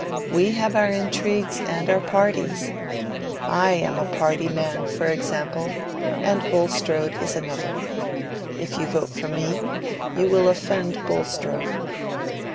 We have our intrigues and our parties. I am a party man, for example, and Bulstrode is another. If you vote for me you will offend Bulstrode."